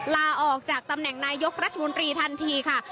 ลาออกจากตำแหน่งนายกรัฐมนตรีทันทีค่ะ